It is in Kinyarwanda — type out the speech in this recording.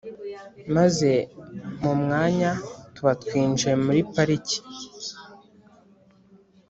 maze mu mwanya tuba twinjiye muri Pariki.